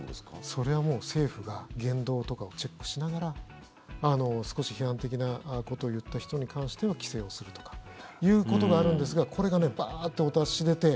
それはもう政府が言動とかをチェックしながら少し批判的なことを言った人に関しては規制をするとかということがあるんですがこれがバーッとお達しが出て。